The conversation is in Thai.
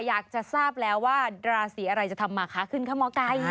อยากจะทราบแล้วว่าราศิอะไรจะทำมาฆะขึ้นไหมคะมกาย